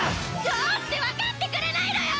どうしてわかってくれないのよ！